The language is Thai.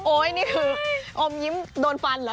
นี่คืออมยิ้มโดนฟันเหรอ